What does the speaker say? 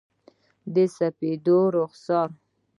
د سپېدو رخسار،